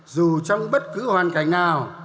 dù trong bất cứ hoàn cảnh nào